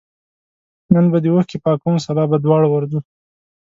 نن به دي اوښکي پاکوم سبا به دواړه ورځو